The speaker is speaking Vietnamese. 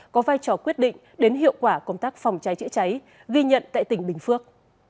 có vai trò quyết định đến hiệu quả công tác phòng cháy chữa cháy ghi nhận tại tỉnh bình phước